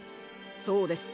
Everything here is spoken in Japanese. そうです。